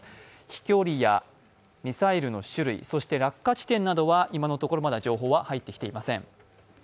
飛距離やミサイルの種類、落下地点などは今のところまだ情報は入ってきていません。